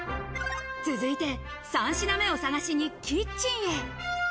続いて３品目を探しにキッチンへ。